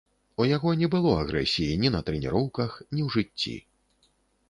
У яго не было агрэсіі ні на трэніроўках, ні ў жыцці.